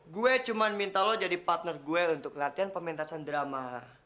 gue cuman minta lo jadi partner gue untuk latihan pementasan drama